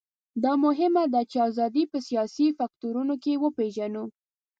دا مهمه ده چې ازادي په سیاسي فکټورونو کې وپېژنو.